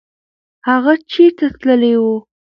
هغه چېرته تللی و؟